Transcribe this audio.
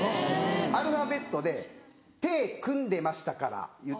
アルファベットで「手組んでましたから」いうて。